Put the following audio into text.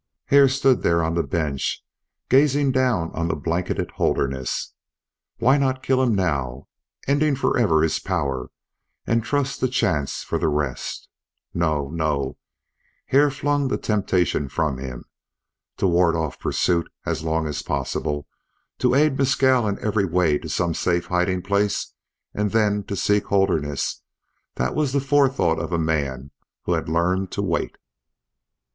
Hare stood there on the bench, gazing down on the blanketed Holderness. Why not kill him now, ending forever his power, and trust to chance for the rest? No, no! Hare flung the temptation from him. To ward off pursuit as long as possible, to aid Mescal in every way to some safe hiding place, and then to seek Holderness that was the forethought of a man who had learned to wait.